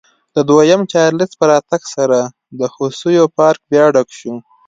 د دویم چارلېز په راتګ سره د هوسیو پارک بیا ډک شو.